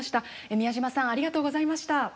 宮嶋さんありがとうございました。